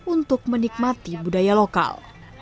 untuk menikmati budaya lokal